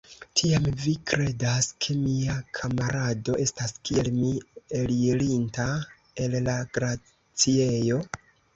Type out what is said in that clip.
Tiam vi kredas, ke mia kamarado estas kiel mi elirinta el la glaciejo?